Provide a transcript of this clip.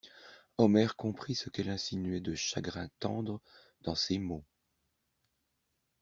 Omer comprit ce qu'elle insinuait de chagrin tendre dans ces mots.